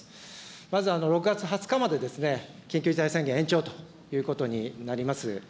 まず６月２０日まで緊急事態宣言延長ということになります。